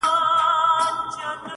• چي قلم مي له لیکلو سره آشنا سوی دی ,